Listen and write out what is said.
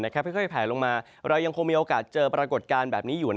ค่อยแผลลงมาเรายังคงมีโอกาสเจอปรากฏการณ์แบบนี้อยู่